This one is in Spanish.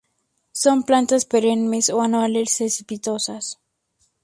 Son plantas perennes o anuales cespitosas.